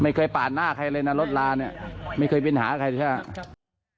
ไม่เคยปาดหน้าใครเลยนะรถลาเนี่ยไม่เคยเป็นหาใครใช่ไหม